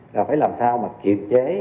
là phải làm sao mà kiềm chế